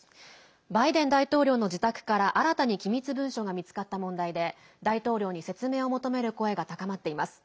バイデン大統領の自宅から新たに機密文書が見つかった問題で大統領に説明を求める声が高まっています。